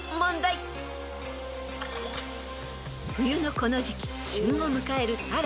［冬のこの時季旬を迎えるたら］